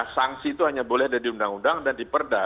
sanksi itu hanya boleh ada di undang undang dan di perda